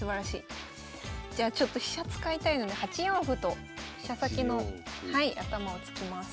じゃあちょっと飛車使いたいので８四歩と飛車先の頭を突きます。